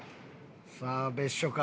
さあ別所か？